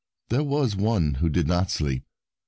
There was one who did not sleep.